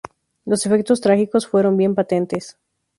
Los efectos trágicos fueron bien patentes.